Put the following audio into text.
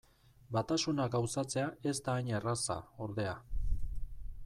Batasuna gauzatzea ez da hain erraza, ordea.